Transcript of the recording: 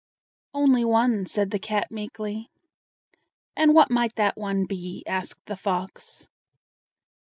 "Only one," said the cat meekly. "And what might that one be?" asked the fox.